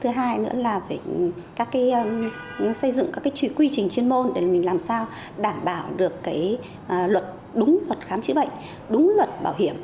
thứ hai nữa là phải xây dựng các quy trình chuyên môn để mình làm sao đảm bảo được đúng luật khám chứa bệnh đúng luật bảo hiểm